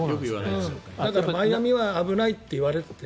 だからマイアミは危ないと言われていて。